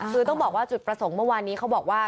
คือต้องบอกว่าจุดประสงค์เมื่อวานนี้เขาบอกว่า